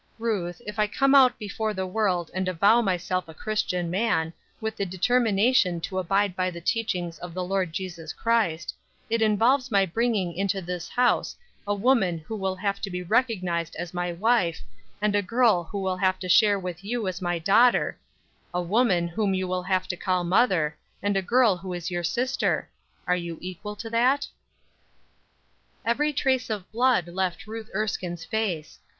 Ruth, if I come out before the world and avow myself a Christian man, with the determination to abide by the teachings of the Lord Jesus Christ, it involves my bringing to this house a woman who will have to be recognized as my wife, and a girl who will have to share with you as my daughter; a woman whom you will have to call mother, and a girl who is your sister. Are you equal to that?" Every trace of blood left Ruth Erskine's face.